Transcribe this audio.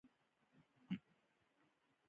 « له آدمه تر دې دمه دغه یو قانون چلیږي